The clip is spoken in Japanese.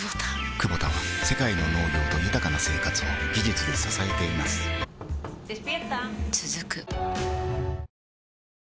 クボタは世界の農業と豊かな生活を技術で支えています起きて。